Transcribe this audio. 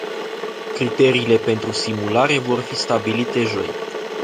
Criteriile pentru simulare vor fi stabilite joi.